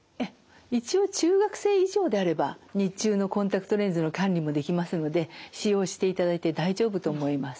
一応中学生以上であれば日中のコンタクトレンズの管理もできますので使用していただいて大丈夫と思います。